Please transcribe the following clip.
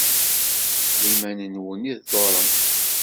D iman-nwen i tḍurrem.